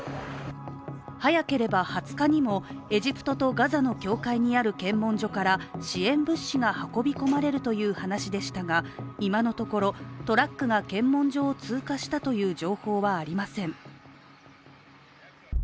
早ければ２０日にもエジプトとガザの境界にある検問所から支援物資が運び込まれるという話でしたが、今のところ、トラックが検問所を通過したという情報はありません。